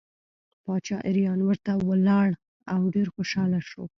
باچا اریان ورته ولاړ او ډېر خوشحاله شو.